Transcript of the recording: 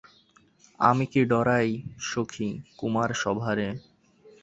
আমি কি ডরাই সখী কুমারসভারে?